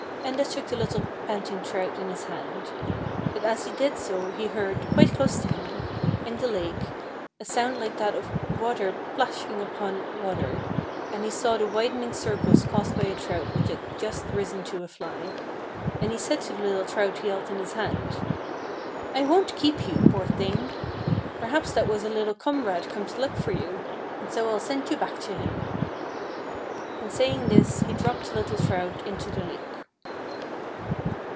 Enda took the little panting trout in his hand ; but as he did so he heard, quite close to him, in the lake, a sound like that of water plashing upon water, and he saw the widening circles caused by a trout which had just risen to a fly; and he said to the little trout he held in his hand :" I won't keep you, poor thing ! Perhaps that was a little comrade come to look for you, and so I'll send you back to him." And saying this, he dropped the little trout into the lake.